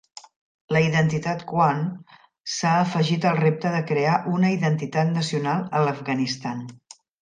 La identitat Qawm s'ha afegit al repte de crear una identitat nacional a l'Afganistan.